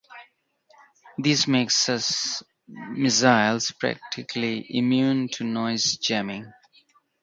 This makes such missiles practically immune to noise jamming.